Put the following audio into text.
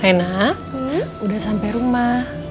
rena udah sampe rumah